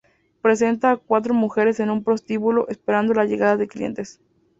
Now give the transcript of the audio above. Representa a cuatro mujeres en un prostíbulo esperando la llegada de clientes.